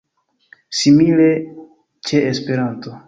Simile ĉe Esperanto.